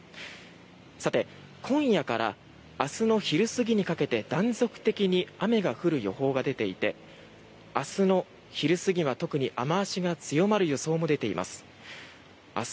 さて、今夜から明日の昼過ぎにかけて断続的に雨が降る予報が出ていて明日の昼過ぎは特に雨脚が強まる予想も出ています。